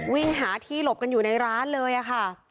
วิ่งหาที่หลบกันอยู่ในร้านเลยค่ะ